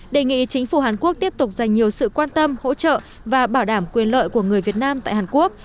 đề nghị chính phủ hàn quốc tiếp tục dành nhiều sự quan tâm hỗ trợ và bảo đảm quyền lợi của người việt nam tại hàn quốc